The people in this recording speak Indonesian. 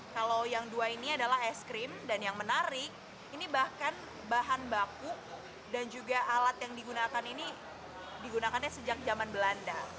kalau yang dua ini adalah es krim dan yang menarik ini bahkan bahan baku dan juga alat yang digunakan ini digunakannya sejak zaman belanda